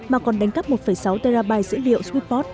mà còn đánh cắp một sáu terabyte dữ liệu squidpot